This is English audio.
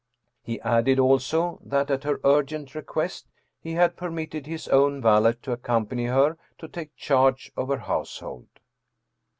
He added also, that, at her urgent request, he had per mitted his own valet to accompany her, to take charge of her household.